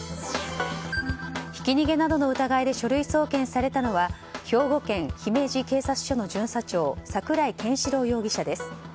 ひき逃げなどの疑いで書類送検されたのは兵庫県姫路警察署の巡査長桜井研四郎容疑者です。